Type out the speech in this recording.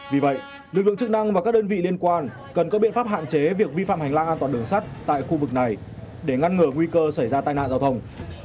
vì vậy lực lượng chức năng và các đơn vị liên quan cần có biện pháp hạn chế việc vi phạm hành lang an toàn đường sắt tại khu vực này để ngăn ngừa nguy cơ xảy ra tai nạn giao thông